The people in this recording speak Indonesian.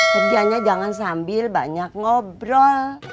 kerjanya jangan sambil banyak ngobrol